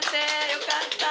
よかった。